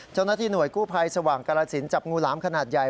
เจ้าหน้าที่หน่วยกู้ภัยสว่างกรสินจับงูหลามขนาดใหญ่